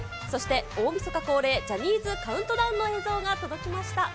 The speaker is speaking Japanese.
そして大みそか恒例、ジャニーズカウントダウンの映像が届きました。